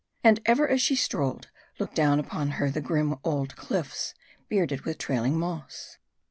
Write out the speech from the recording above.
And ever as she strolled, looked down upon her the grim old cliffs, bearded with trailing moss.